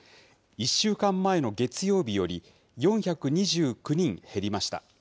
１週間前の月曜日より４２９人減りました。